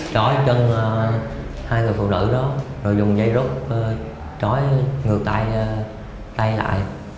trói chân hai người phụ nữ đó rồi dùng dây rút trói ngược tay tay lại